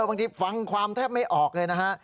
บางทีฟังความแทบไม่ออกเลยนะฮะ